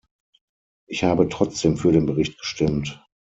Ich habe trotzdem für den Bericht gestimmt.